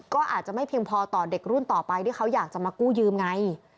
ก็อาจจะไม่เพียงพอต่อเด็กรุ่นต่อไปที่เขาอยากจะมากู้ยืมไง